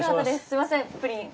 すみませんプリン。